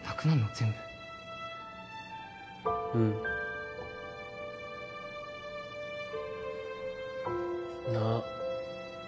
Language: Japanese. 全部うんなあ？